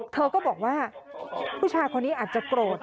เธอก็บอกว่าผู้ชายคนนี้อาจจะโกรธ